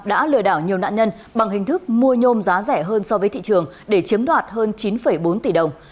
đã lừa đảo nhiều nạn nhân bằng hình thức mua nhôm giá rẻ hơn so với thị trường để chiếm đoạt hơn chín bốn tỷ đồng